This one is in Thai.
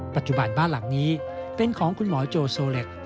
ปัจจุบันบ้านหลังนี้เป็นของคุณหมอโจโซเล็ต